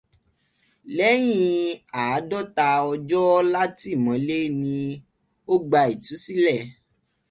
Lẹ́yìn àádọ́ta ọjọ́ látìmọ́lé ni ó gba ìtúsílẹ̀.